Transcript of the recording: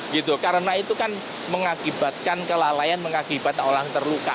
gitu karena itu kan mengakibatkan kelalaian mengakibat orang terluka